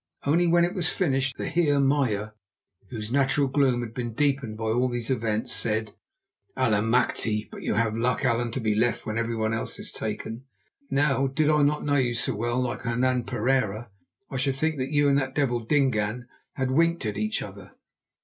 Only when it was finished the Heer Meyer, whose natural gloom had been deepened by all these events, said: "Allemachte! but you have luck, Allan, to be left when everyone else is taken. Now, did I not know you so well, like Hernan Pereira I should think that you and that devil Dingaan had winked at each other."